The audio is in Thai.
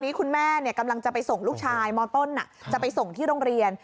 คุณแม่กำลังจะไปส่งลูกชายมต้นจะไปส่งที่โรงเรียน